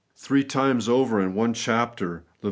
Three times over in one chapter (Lev.